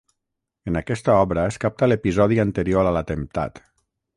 En aquesta obra es capta l'episodi anterior a l'atemptat.